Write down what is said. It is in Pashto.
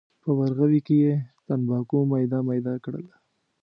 په ورغوي کې یې تنباکو میده میده کړل.